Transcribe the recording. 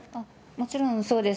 もちろんそうです。